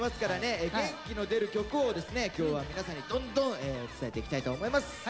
今日は皆さんにどんどん伝えていきたいと思います。